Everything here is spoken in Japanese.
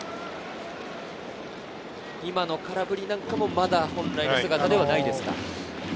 今の空振りなんかも、まだ本来の姿ではないですか？